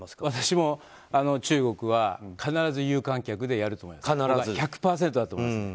私も中国は必ず有観客でやると思います。